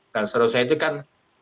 dan seluruhnya itu kan